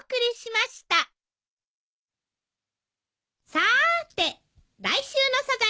さーて来週の『サザエさん』は？